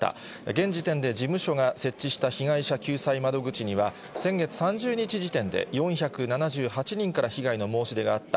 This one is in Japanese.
現時点で事務所が設置した被害者救済窓口には、先月３０日時点で、４７８人から被害の申し出があった。